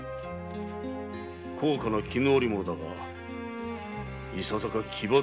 高価な絹織物だがいささか奇抜に過ぎるな。